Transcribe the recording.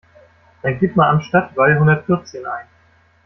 Dann gib mal Am Stadtwall hundertvierzehn ein.